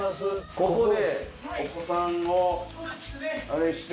ここでお子さんをあれして。